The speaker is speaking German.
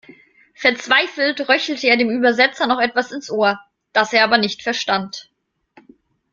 Verzweifelt röchelte er dem Übersetzer noch etwas ins Ohr, das er aber nicht verstand.